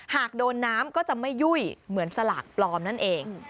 หากโดนน้ำก็จะไม่ยุ่ยเหมือนสลากปลอมนั่นเอง